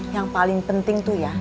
yang paling penting tuh ya